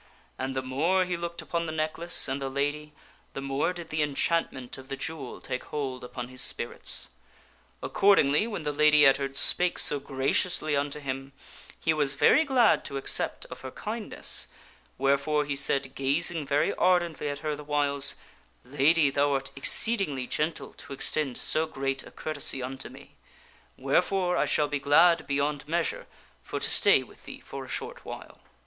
And the more that he looked upon the necklace and the lady the more did the enchantment of the jewel take hold upon his spirits. Accordingly, when the Lady Ettard spake so gra ciously unto him, he was very glad to accept of her kindness ; wherefore he said, gazing very ardently at her the whiles, " Lady, thou art exceed ingly gentle to extend so great a courtesy unto me ; wherefore I shall be glad beyond measure for to stay with thee for a short while."